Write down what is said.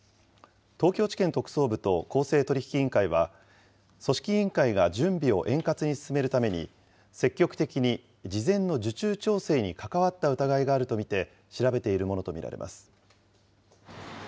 東京地検特捜部と公正取引委員会は、組織委員会が準備を円滑に進めるために、積極的に事前の受注調整に関わった疑いがあると見て、調べているものと見られます。